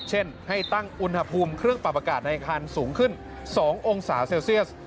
เช่นให้ตั้งอุณหภูมิเครื่องปรับอากาศในอาคารสูงขึ้น๒องศาเซลเซียส